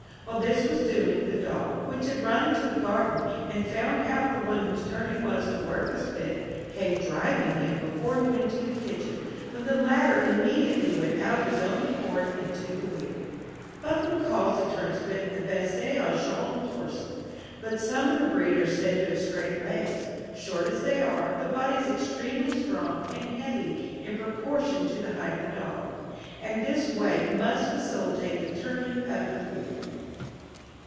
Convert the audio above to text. While this was doing, the dog, which had run into the garden, and found out the one whose turn it was to work the spit, came driving him before him into the kitchen, when the latter immediately went of his own accord into the wheel. Buffon calls the turnspit the Basset à jambes torses, but some of the breed are said to have straight legs. Short as they are, the body is extremely strong and heavy in proportion to the height of the dog, and this weight must facilitate the turning of the wheel.